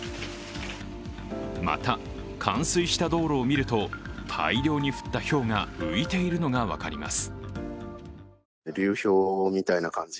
また、冠水した道路を見ると、大量に降ったひょうが浮いているのが分かります。